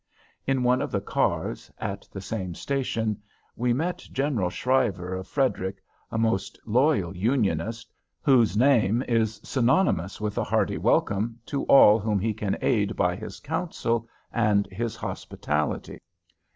In one of the cars, at the same station, we met General Shriver of Frederick, a most loyal Unionist, whose name is synonymous with a hearty welcome to all whom he can aid by his counsel and his hospitality.